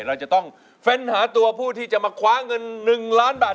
เราจะต้องเฟ้นหาตัวผู้ที่จะมาคว้าเงิน๑ล้านบาท